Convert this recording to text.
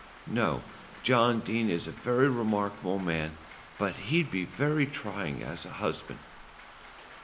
No; John Dene is a very remarkable man; but he'd be very trying as a husband."